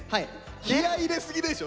気合い入れすぎでしょ